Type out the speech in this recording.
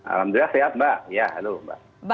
alhamdulillah sehat mbak ya halo mbak